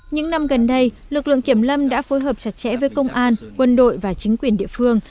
những năm gần đây lực lượng kiểm lâm đã phối hợp chặt chẽ với công an quân đội và chính quyền địa phương